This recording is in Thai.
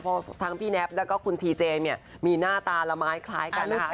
เพราะทั้งพี่แน็บแล้วก็คุณทีเจเนี่ยมีหน้าตาละไม้คล้ายกันนะคะ